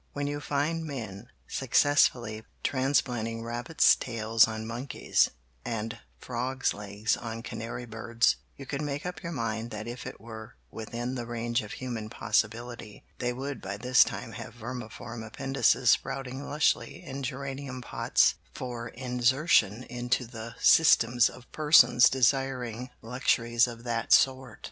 When you find men successfully transplanting rabbits' tails on monkeys, and frogs' legs on canary birds, you can make up your mind that if it were within the range of human possibility they would by this time have vermiform appendices sprouting lushly in geranium pots for insertion into the systems of persons desiring luxuries of that sort."